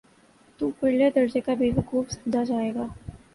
تو پرلے درجے کا بیوقوف سمجھا جائے گا۔